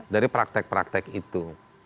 dari praktek praktek itu